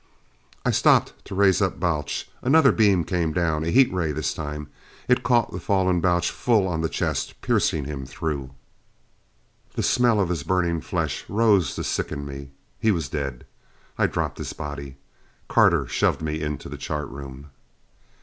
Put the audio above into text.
I stopped to raise up Balch. Another beam came down. A heat ray this time. It caught the fallen Balch full on the chest, piercing him through. The smell of his burning flesh rose to sicken me. He was dead. I dropped his body. Carter shoved me into the chart room.